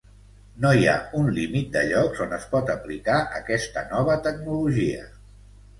No hi ha un límit de llocs on es pot aplicar aquesta nova tecnologia.